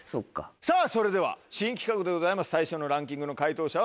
さぁそれでは新企画でございます。